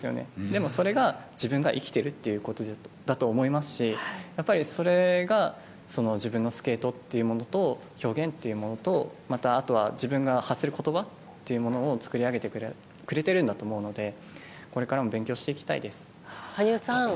でも、それが自分が生きてるってことだと思いますしやっぱり、それが自分のスケートというものと表現というものとあとは自分が発する言葉を作り上げてくれてるんだと思うのでこれからも勉強していきたいですね。